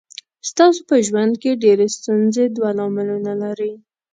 ستاسو په ژوند کې ډېرې ستونزې دوه لاملونه لري.